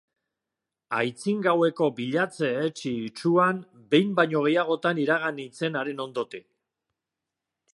Aitzin gaueko bilatze etsi itsuan behin baino gehiagotan iragan nintzen haren ondotik,